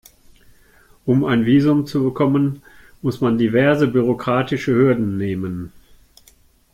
Um ein Visum zu bekommen, muss man diverse bürokratische Hürden nehmen.